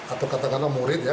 atau katakanlah murid ya